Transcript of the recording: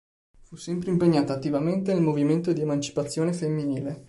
Fu sempre impegnata attivamente nel movimento di emancipazione femminile.